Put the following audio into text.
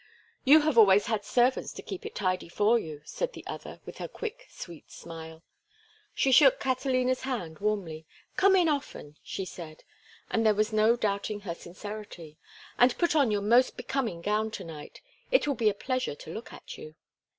"You have always had servants to keep it tidy for you," said the other, with her quick, sweet smile. She shook Catalina's hand warmly. "Come in often," she said, and there was no doubting her sincerity. "And put on your most becoming gown to night. It will be a pleasure to look at you."